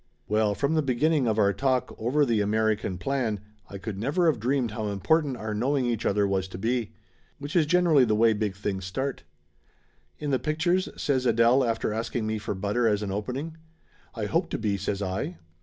Well, from the beginning of our talk, over theAmeri 82 Laughter Limited can plan, I could never of dreamed how important our knowing each other was to be. Which is generally the way big things start. "In the pictures?" says Adele after asking me for butter as an opening. "I hope to be," says I.